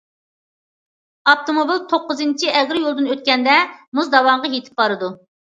ئاپتوموبىل توققۇزىنچى ئەگرى يولدىن ئۆتكەندە، مۇزداۋانغا يېتىپ بارىدۇ.